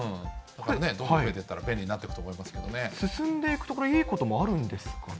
どんどん増えていったら便利進んでいくとこれ、いいこともあるんですかね。